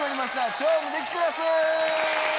『超無敵クラス』！